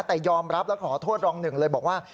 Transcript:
แต่ยอมรับและขอโทษรองหนึ่งเลยบอกว่า